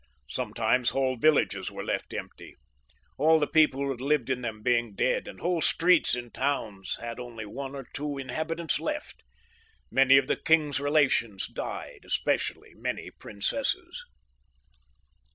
Sometimes whole villages were left empty, all the people who had lived in them being dead, and whole streets in towns had only one XXV.] PHILIP VI. 163 ! 1 or two inhabitants left. Many of the king's relations died, \ especially many princesses.